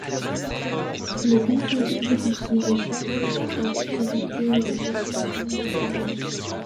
Le Conseil exécutif est chargé de faire exécuter les décisions du Cabinet.